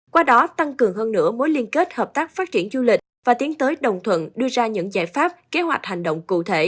qua đó tăng cường hơn nữa mối liên kết hợp tác phát triển du lịch và tiến tới đồng thuận đưa ra những giải pháp kế hoạch hành động cụ thể